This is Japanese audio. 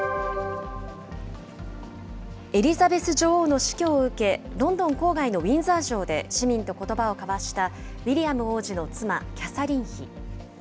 エリザベス女王の死去を受け、ロンドン郊外のウィンザー城で市民とことばを交わしたウィリアム王子の妻、キャサリン妃。